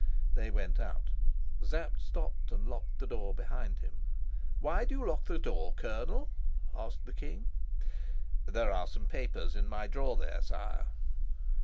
They went out. Sapt stopped and locked the door behind him. "Why do you lock the door, Colonel?" asked the king. "There are some papers in my drawer there, sire."